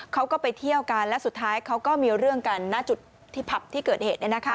เขาก็ไปเที่ยวกันและสุดท้ายเขาก็มีเรื่องกันหน้าจุดที่ผับที่เกิดเหตุ